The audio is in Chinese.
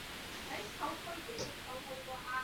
活动标志该年度时装馆的时装展览开幕。